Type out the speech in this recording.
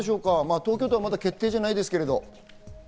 東京都はまだ決定じゃないですけど。